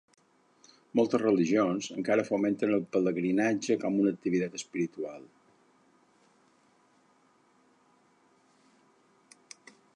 Moltes religions encara fomenten el pelegrinatge com una activitat espiritual.